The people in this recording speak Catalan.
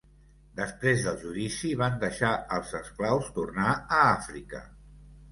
Després del judici, van deixar als esclaus tornar a Àfrica.